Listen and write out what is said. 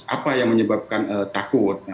apa yang menyebabkan takut